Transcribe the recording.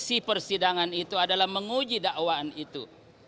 itu adalah menguji dakwaan itu